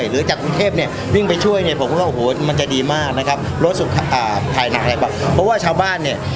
รถสุขภาพฟิบารมันไม่มีมันมีน้อยมาก